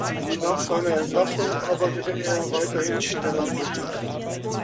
Nach seiner Entlassung arbeitete er weiterhin in der Landwirtschaft.